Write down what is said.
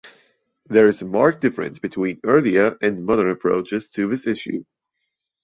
There is a marked difference between earlier and modern approaches to this issue.